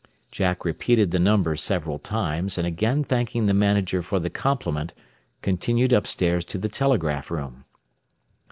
Jack repeated the number several times; and again thanking the manager for the compliment, continued up stairs to the telegraph room.